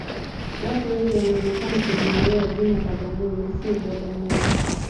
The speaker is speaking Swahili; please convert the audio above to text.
Watu wengi wanaonekana kulizoea jina bagamoyo na sio bwagamoyo